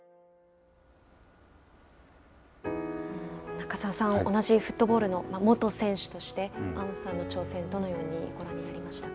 中澤さん、同じフットボールの元選手としてアウンさんの挑戦、どのようにご覧になりましたか。